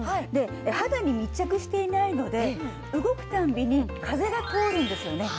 肌に密着していないので動く度に風が通るんですよね。